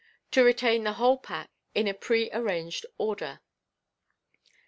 — (To retain the whole pack in a pre ar ranged order.)